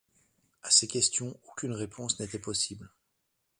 À ces questions, aucune réponse n’était possible